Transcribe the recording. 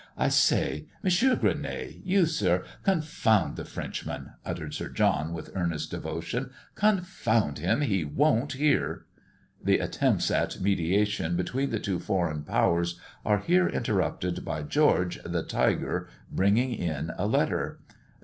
I say Mons. Gueronnay! You, Sir! Confound the Frenchman!" muttered Sir John, with earnest devotion, "Confound him, he won't hear!" The attempts at mediation between the two foreign powers are here interrupted by George, the tiger, bringing in a letter. "Dr.